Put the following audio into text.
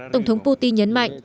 tổng thống putin nhấn mạnh